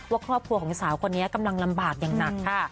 ว่าครอบครัวของสาวคนนี้กำลังลำบากอย่างหนักค่ะ